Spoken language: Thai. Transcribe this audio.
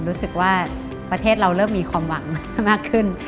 รู้สึกว่าประเทศเราเริ่มมีความหวังมากขึ้น